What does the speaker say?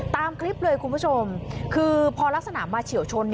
ตามคลิปเลยคุณผู้ชมคือพอลักษณะมาเฉียวชน